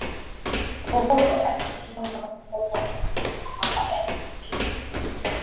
Uhuru alishindwa katika uchaguzi mkuu wa mwaka elfu mbili na mbili